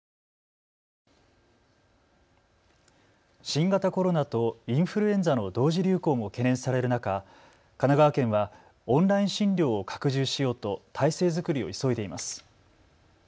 新型コロナとインフルエンザの同時流行も懸念される中、神奈川県はオンライン診療を拡充しようと体制作りを急いでいます。